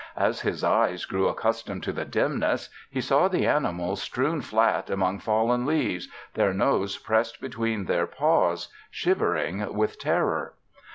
As his eyes grew accustomed to the dimness, he saw the animals strewn flat among fallen leaves, their noses pressed between their paws, shivering with terror.